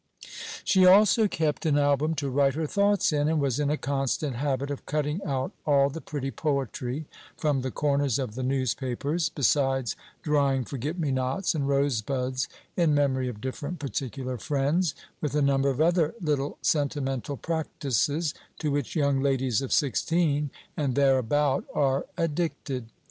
She also kept an album to write her thoughts in, and was in a constant habit of cutting out all the pretty poetry from the corners of the newspapers, besides drying forget me nots and rosebuds, in memory of different particular friends, with a number of other little sentimental practices to which young ladies of sixteen and thereabout are addicted.